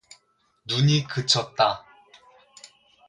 눈이 그쳤다.